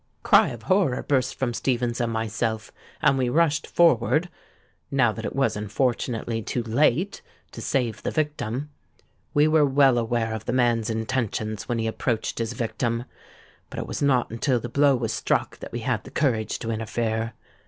A cry of horror burst from Stephens and myself; and we rushed forward—now that it was unfortunately too late—to save the victim. We were well aware of the man's intentions when he approached his victim; but it was not until the blow was struck that we had the courage to interfere.